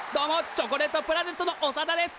チョコレートプラネットのオサダです！